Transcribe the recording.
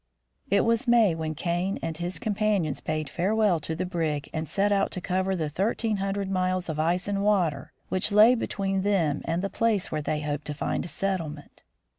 It was May when Kane and his companions bade fare well to the brig and set out to cover the thirteen hundred miles of ice and water which lay between them and the place where they hoped to find a settlement.